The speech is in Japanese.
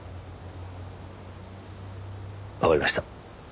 わかりました。